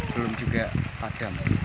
belum juga padam